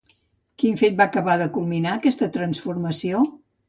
Quin fet va acabar de culminar aquesta transformació?